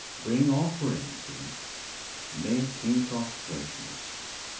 Bring Offerings to Me! Make Me prostrations!